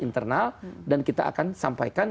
internal dan kita akan sampaikan